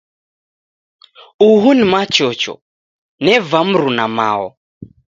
Uhu ni Machocho. Neva mruna-mao.